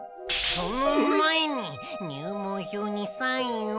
その前に入門票にサインを。